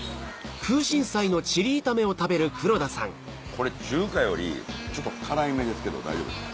これ中華よりちょっと辛いめですけど大丈夫ですか？